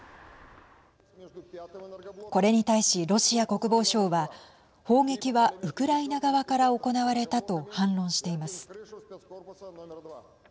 これに対し、ロシア国防省は砲撃はウクライナ側から行われたと反論しています。